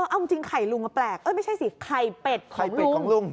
เออเอาจริงไข่ลุงแปลกไม่ใช่สิไข่เป็ดของลุง